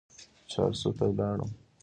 چارسو ته ولاړم.